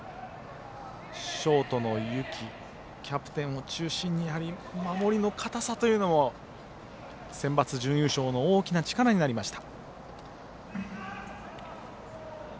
ショートの幸、キャプテンを中心に守りの堅さというのもセンバツ準優勝の大きな力となりました。